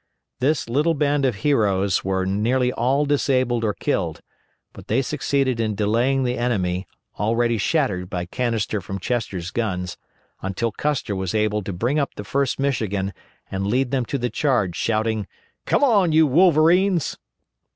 This little band of heroes were nearly all disabled or killed, but they succeeded in delaying the enemy, already shattered by the canister from Chester's guns, until Custer was able to bring up the 1st Michigan and lead them to the charge, shouting "Come on, you wolverines!"